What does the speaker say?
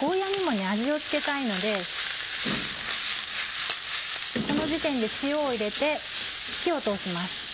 ゴーヤにも味を付けたいのでこの時点で塩を入れて火を通します。